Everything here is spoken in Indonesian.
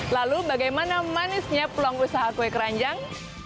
lalu bagaimana manisnya peluang usaha kue keranjang